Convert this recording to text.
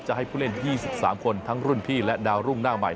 ให้ผู้เล่น๒๓คนทั้งรุ่นพี่และดาวรุ่งหน้าใหม่